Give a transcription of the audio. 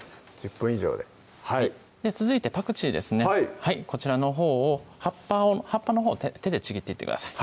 １０分以上で続いてパクチーですねはいこちらのほうを葉っぱのほう手でちぎっていってください